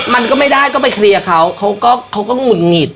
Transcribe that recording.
มันก็ไม่ได้ก็ไปเคลียร์เขาเขาก็หงุดหงิด